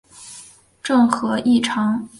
郑和亦尝裔敕往赐。